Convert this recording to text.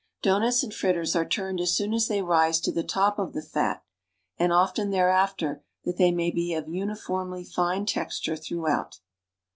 Ans. Doughnuts and fritters are turned as soon as they rise to the top of the fat and often there after that the\' may be of uniformly fine texture throughout.